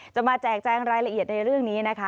มาแจกแจงรายละเอียดในเรื่องนี้นะคะ